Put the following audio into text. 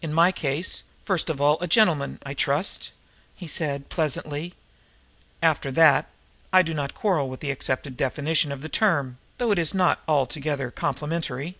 "In my case, first of all a gentleman, I trust," he said pleasantly; "after that, I do not quarrel with the accepted definition of the term though it is not altogether complimentary."